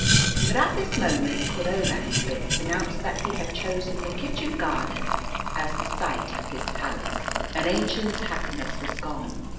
But at this moment Cordovanspitz announced that he had chosen the kitchen garden as the site of his palace, and Aennchen's happiness was gone.